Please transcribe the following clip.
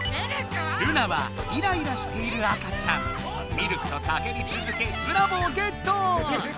ミルクとさけびつづけブラボーゲット！